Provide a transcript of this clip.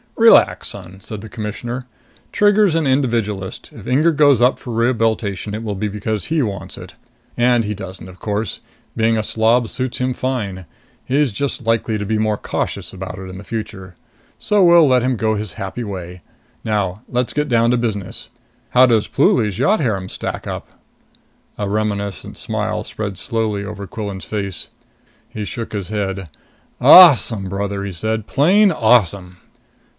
"Relax, son," said the Commissioner. "Trigger's an individualist. If Inger goes up for rehabilitation, it will be because he wants it. And he doesn't, of course. Being a slob suits him fine. He's just likely to be more cautious about it in future. So we'll let him go his happy way. Now let's get down to business. How does Pluly's yacht harem stack up?" A reminiscent smile spread slowly over Quillan's face. He shook his head. "Awesome, brother!" he said. "Plain awesome!"